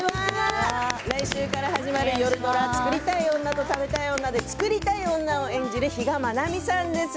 来週から始まる、夜ドラ「作りたい女と食べたい女」で作りたい女を演じる比嘉愛未さんです